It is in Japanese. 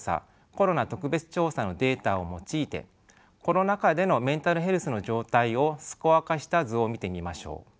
・コロナ特別調査のデータを用いてコロナ禍でのメンタルヘルスの状態をスコア化した図を見てみましょう。